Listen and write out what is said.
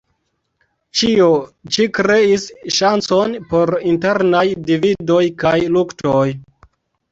Ĉio ĉi kreis ŝancon por internaj dividoj kaj luktoj.